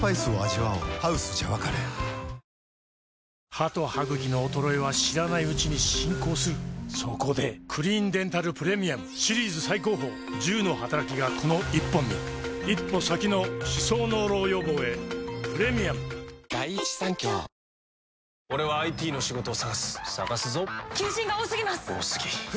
歯と歯ぐきの衰えは知らないうちに進行するそこで「クリーンデンタルプレミアム」シリーズ最高峰１０のはたらきがこの１本に一歩先の歯槽膿漏予防へプレミアム「エアジェット除菌ＥＸ」ならピンク汚れ予防も！